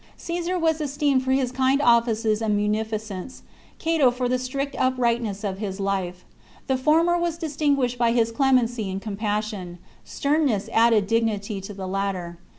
Caesar was esteemed for his kind offices and munificence ; Cato for the strict uprightness of his life. The for mer was distinguished by his clemency and compas sion ; sternness added dignity to the latter.